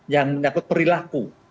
yang menyangkut perilaku